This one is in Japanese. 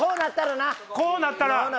こうなったらな！